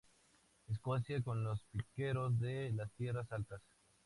Escocia, con los piqueros de las tierras altas.